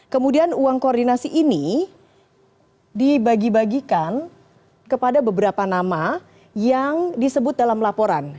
kemudian uang koordinasi ini dibagi bagikan kepada beberapa nama yang disebut dalam laporan